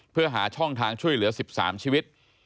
เพื่อหาช่องทางช่วยเหลือ๑๓ชีวิต